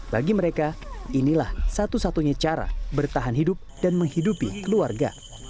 bagi mereka inilah satu satunya cara bertahan hidup dan menghidupi keluarga